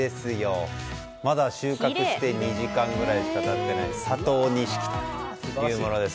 まだ収穫して２時間ぐらいしか経っていない佐藤錦というものです。